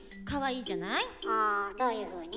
あどういうふうに？